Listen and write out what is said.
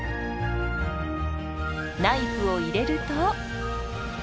ナイフを入れると。